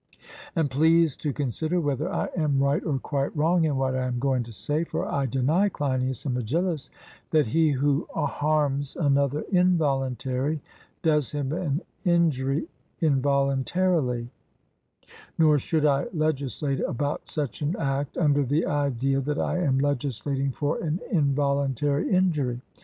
And please to consider whether I am right or quite wrong in what I am going to say; for I deny, Cleinias and Megillus, that he who harms another involuntarily does him an injury involuntarily, nor should I legislate about such an act under the idea that I am legislating for an involuntary injury.